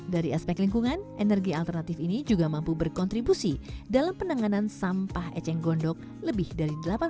dari aspek lingkungan energi alternatif ini juga mampu berkontribusi dalam penanganan sampah eceng gondok lebih dari delapan puluh persen